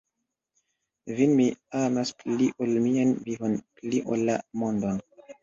Vin mi amas pli ol mian vivon, pli ol la mondon.